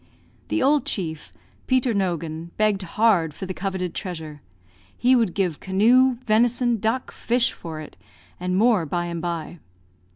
The old chief, Peter Nogan, begged hard for the coveted treasure. He would give "Canoe, venison, duck, fish, for it; and more by and by."